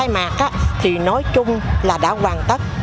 tới ngày mà để mà khai mạc thì nói chung là đã hoàn tất